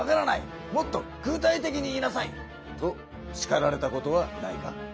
もっと具体的に言いなさい」としかられたことはないか？